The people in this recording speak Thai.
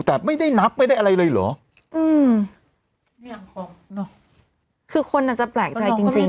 แต่ไม่ได้นับไม่ได้อะไรเลยเหรออืมเนี้ยคือคนอาจจะแปลกใจจริงจริง